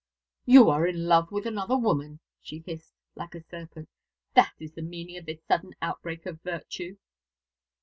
"You are in love with another woman!" she hissed, like the serpent. "That is the meaning of this sudden outbreak of virtue!"